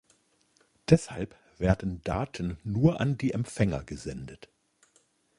Deshalb werden Daten nur an die Empfänger gesendet.